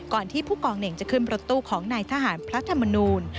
ที่ผู้กองเหน่งจะขึ้นรถตู้ของนายทหารพระธรรมนูล